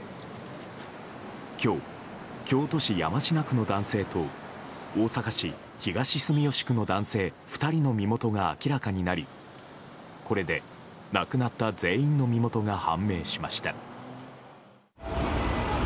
今日、京都市山科区の男性と大阪市東住吉区の男性２人の身元が明らかになりこれで、亡くなった全員の身元が判明しました。